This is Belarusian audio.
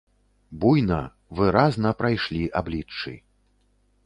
Буйна, выразна прайшлі абліччы.